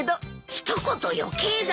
一言余計だ！